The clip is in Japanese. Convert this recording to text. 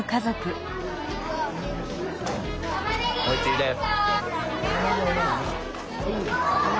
おいしいです。